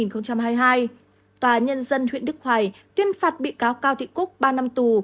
tòa nhân dân huyện đức hòa tuyên phạt bị cáo cao thị cúc ba năm tù